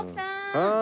ああ。